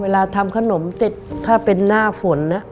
ทำขนมเสร็จถ้าเป็นหน้าฝน